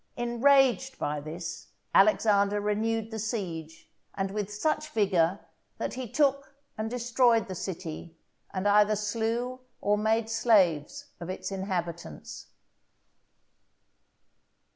Enraged by this, Alexander renewed the siege, and with such vigour, that he took and destroyed the city, and either slew or made slaves of its inhabitants.